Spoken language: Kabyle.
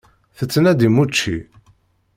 Tettnadim učči?